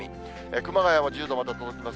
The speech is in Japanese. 熊谷も１０度まで届きません。